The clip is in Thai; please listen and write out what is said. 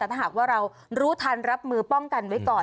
แต่ถ้าหากว่าเรารู้ทันรับมือป้องกันไว้ก่อน